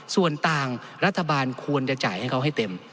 ส่วนต่างรัฐบาลควรจะจ่ายให้เขาให้เต็ม